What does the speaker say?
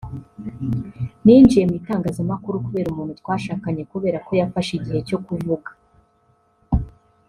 “Ninjiye mu itangazamakuru kubera umuntu twashakanye kubera ko yafashe igihe cyo kuvuga